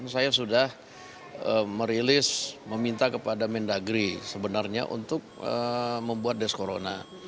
saya sudah merilis meminta kepada mendagri sebenarnya untuk membuat desk corona